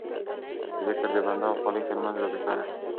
ذکر د بنده او خالق ترمنځ رابطه ده.